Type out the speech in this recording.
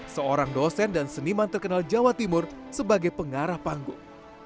seorang dosen dan seniman terkenal jawa timur sebagai pengarah panggung